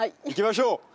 行きましょう！